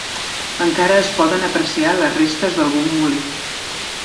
Encara es poden apreciar les restes d'algun molí.